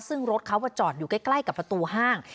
ซึ่งรถเขาจอดอยู่ใกล้กับประตูห้าง